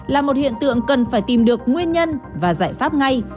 là một hiện tượng cần phải tìm được nguyên nhân và giải pháp ngay